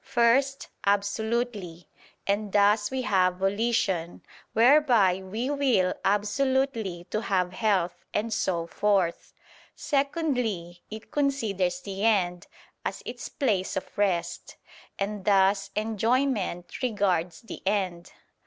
First, absolutely; and thus we have "volition," whereby we will absolutely to have health, and so forth. Secondly, it considers the end, as its place of rest; and thus "enjoyment" regards the end.